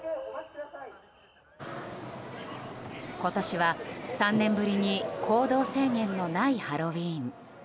今年は３年ぶりに行動制限のないハロウィーン。